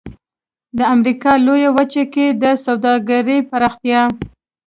د امریکا لویې وچې کې د سوداګرۍ پراختیا.